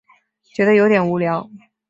觉得有点无聊